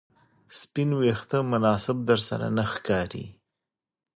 سپین ویښته مناسب درسره نه ښکاري